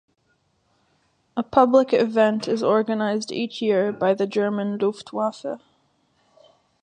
A public event is organized each year by the German Luftwaffe.